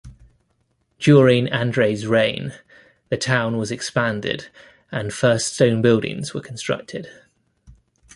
During Andrey's reign, the town was expanded and first stone buildings were constructed.